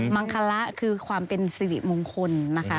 มังคละคือความเป็นสิริมงคลนะคะ